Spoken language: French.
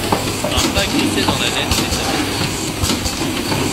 Un pas glissait dans la laine des tapis syriens.